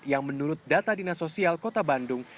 yang menurut data dinasosial kota bandung